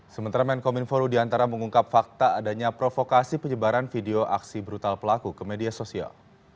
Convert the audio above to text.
sementara menkom info rudiantara mengungkap fakta adanya provokasi penyebaran video aksi brutal pelaku ke media sosial